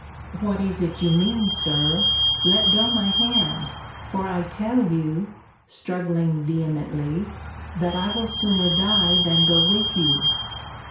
What is it you mean, Sir? Let go my hand: for I tell you [struggling vehemently] that I will sooner die than go with you.